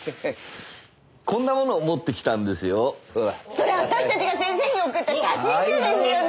それ私たちが先生に贈った写真集ですよね？